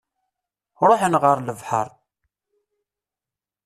Ruḥen ɣer lebḥer.